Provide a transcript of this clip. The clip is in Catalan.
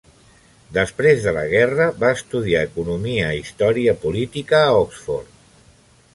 Després de la guerra, va estudiar economia i història política a Oxford.